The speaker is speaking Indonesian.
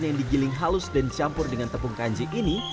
yang digiling halus dan campur dengan tepung kanji ini